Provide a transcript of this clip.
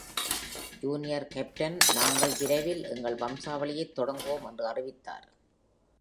Junior captain, "நாங்கள் விரைவில் எங்கள் வம்சாவளியைத் தொடங்குவோம்" என்று அறிவித்தார்.